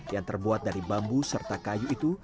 yang terbuat dari bambu serta kayu itu